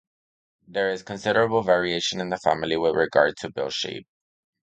There is considerable variation in the family with regard to bill shape.